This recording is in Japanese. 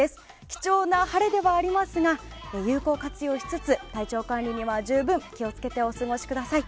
貴重な晴れではありますが有効活用しつつ体調管理には十分気を付けてお過ごしください。